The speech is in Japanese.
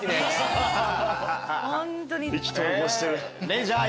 意気投合してる。